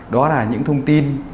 đó là những thông tin